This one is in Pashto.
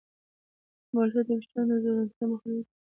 مالټه د ویښتانو د ځوړتیا مخنیوی کوي.